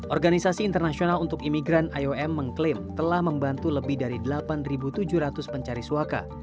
organisasi internasional untuk imigran iom mengklaim telah membantu lebih dari delapan tujuh ratus pencari suaka